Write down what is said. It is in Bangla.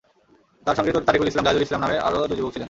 তাঁর সঙ্গে তারিকুল ইসলাম, জাহিদুল ইসলাম নামের আরও দুই যুবক ছিলেন।